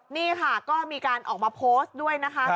นี่ค่ะก็มีการออกมาโพสต์ด้วยนะคะ